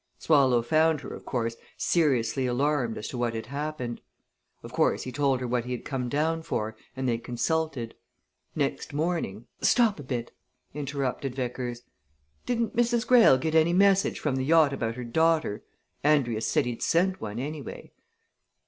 Swallow found her, of course, seriously alarmed as to what had happened. Of course, he told her what he had come down for and they consulted. Next morning " "Stop a bit," interrupted Vickers. "Didn't Mrs. Greyle get any message from the yacht about her daughter Andrius said he'd sent one, anyway."